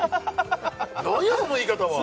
何やその言い方は！